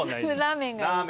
ラーメンが。